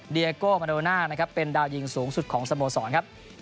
เดียโก้มาโดน่านะครับเป็นดาวยิงสูงสุดของสโมสรครับ